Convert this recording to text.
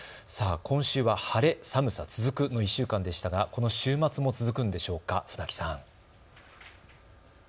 今週は晴れ、寒さ、続くの１週間でしたがこの週末も続くんでしょうか、船木さん。